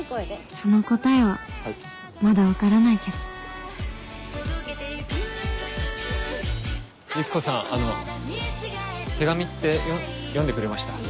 その答えはまだ分からないけどユキコさんあの手紙って読んでくれました？